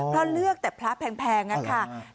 อ๋อเพราะเลือกแต่พระแพงน่ะค่ะอ๋ออะไร